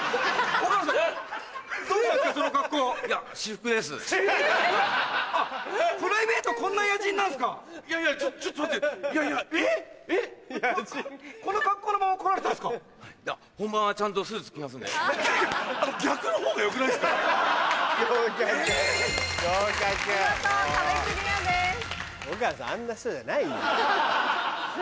岡野さんあんな人じゃないよ。